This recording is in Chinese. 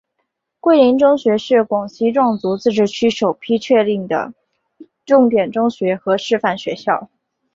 桂林中学是广西壮族自治区首批确定的重点中学和示范学校。